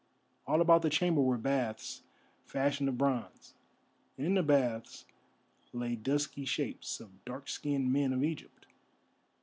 All about the chamber were baths fashioned of bronze, and in the baths lay dusky shapes of dark skinned men of Egypt.